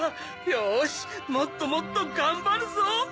よしもっともっとがんばるぞ！